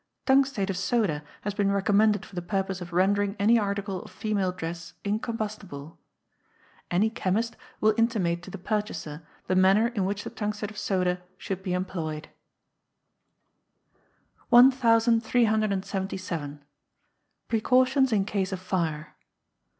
Tungstate of soda has been recommended for the purpose of rendering any article of female dress incombustible. Any chemist will intimate to the purchaser the manner in which the tungstate of soda should be employed. 1377. Precautions in Case of Fire.